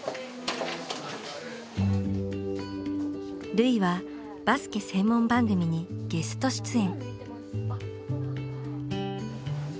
瑠唯はバスケ専門番組にゲスト出演。